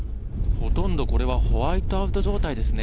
ほとんど、これはホワイトアウト状態ですね。